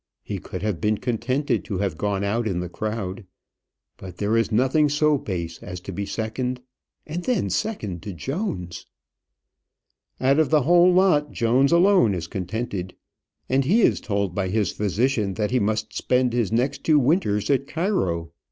he could have been contented to have gone out in the crowd; but there is nothing so base as to be second and then second to Jones! Out of the whole lot, Jones alone is contented; and he is told by his physician that he must spend his next two winters at Cairo.